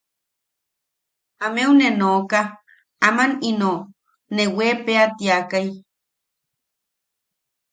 Ameu ne nooka aman ino ne weepea tiakai.